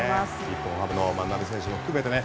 日本ハムの万波選手も含めてね